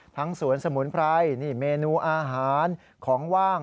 ทั้งสวนสมุนไพรเมนูอาหารของว่าง